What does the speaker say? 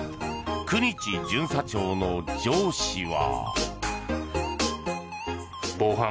九日巡査長の上司は。